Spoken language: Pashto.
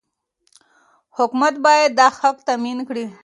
حکومت باید دا حق تامین کړي.